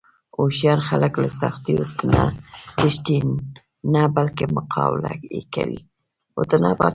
هوښیار خلک له سختیو نه تښتي نه، بلکې مقابله یې کوي.